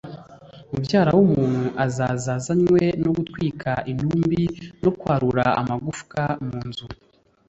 Mubyara w’umuntu azaza azanywe no gutwika intumbi no kwarura amagufwa mu nzu